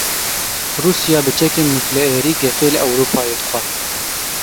Rûsya bi çekên nukleerî gefê li Ewropayê dixwe.